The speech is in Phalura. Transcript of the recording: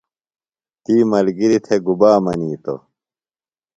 تی ملگِریۡ تھےۡ گُبا منِیتوۡ؟